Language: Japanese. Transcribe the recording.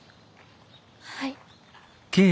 はい。